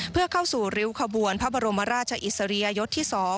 เพื่อเข้าสู่ริ้วขบวนพระบรมราชอิสริยยศที่๒